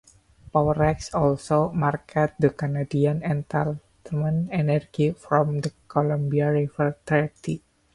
Powerex also markets the Canadian Entitlement energy from the Columbia River Treaty.